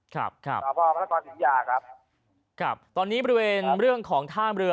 ครับครับสพพระนครศิริยาครับครับตอนนี้บริเวณเรื่องของท่ามเรือ